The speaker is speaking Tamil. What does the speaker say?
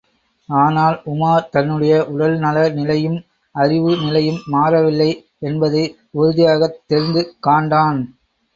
ஆனால், உமார் தன்னுடைய உடல் நல நிலையும், அறிவு நிலையும் மாறவில்லை என்பதை உறுதியாகத் தெரிந்து காண்டான்.